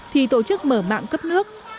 thì tổ chức mở mạng cấp nước